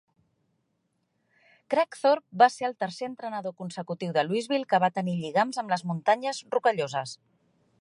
Kragthorpe va ser el tercer entrenador consecutiu de Louisville que va tenir lligams amb les Muntanyes Rocalloses.